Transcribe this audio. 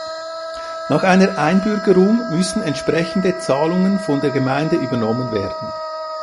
Nach einer Einbürgerung müssen entsprechende Zahlungen von der Gemeinde übernommen werden.